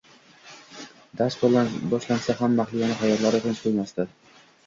Dars boshlansa ham, Mahliyoni xayollari tinch qo`ymasdi